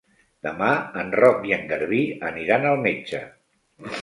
Demà en Roc i en Garbí aniran al metge.